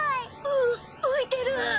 う浮いてる！